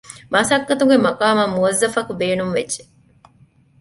މަސައްކަތު މަޤާމަށް މުވައްޒަފަކު ބޭނުންވެއްޖެ